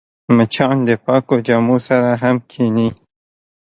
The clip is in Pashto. مچان د پاکو جامو سره هم کښېني